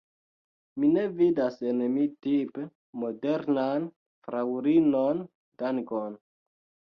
Mi ne vidas en mi tipe modernan fraŭlinon; dankon!